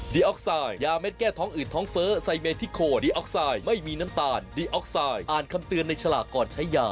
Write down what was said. ออกไซด์ยาเม็ดแก้ท้องอืดท้องเฟ้อไซเมทิโคดีออกไซด์ไม่มีน้ำตาลดีออกไซด์อ่านคำเตือนในฉลากก่อนใช้ยา